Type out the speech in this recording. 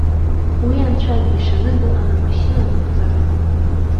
Уи анцәа дишаны дыҟан амашьына аныҟәцараз.